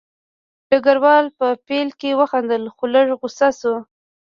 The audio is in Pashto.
ډګروال په پیل کې وخندل خو لږ غوسه شو